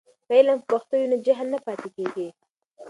که علم په پښتو وي نو جهل نه پاتې کېږي.